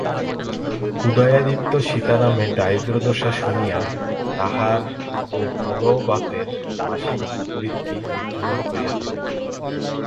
উদয়াদিত্য সীতারামের দারিদ্র্যদশা শুনিয়া তাহার ও ভাগবতের মাসিক বৃত্তি নির্ধারণ করিয়া দিলেন।